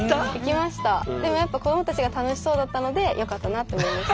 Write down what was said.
でもやっぱ子どもたちが楽しそうだったのでよかったなって思いました。